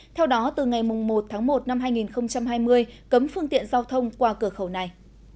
theo đó từ ngày một một hai nghìn hai mươi cấm phương tiện giao thông qua cửa khẩu này